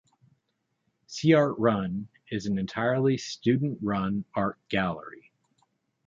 SeeArtRun is an entirely student-run art gallery.